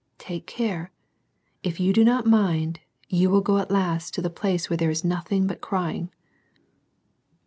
Take care. If you do not mind, you will go at last to the place where there is nothing but " CRYING."